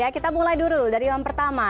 kita mulai dulu dari yang pertama